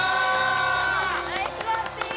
ナイスバッティング！